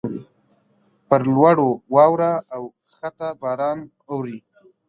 پر لوړو واوره اوکښته باران اوري.